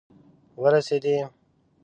ورسیدي